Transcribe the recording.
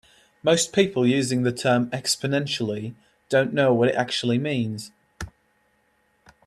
Most people using the term "exponentially" don't know what it actually means.